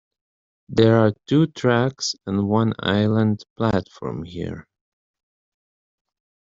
There are two tracks and one island platform here.